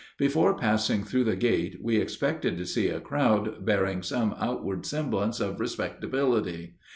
Before passing through the gate we expected to see a crowd bearing some outward semblance of respectability.